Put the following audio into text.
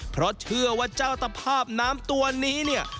เพราะเชื่อว่าเจ้าตภาพน้ำตัวนี้เนี่ย